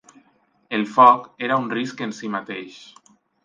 El foc era un risc en si mateix.